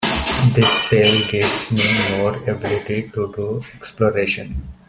This sale gives me more ability to do exploration.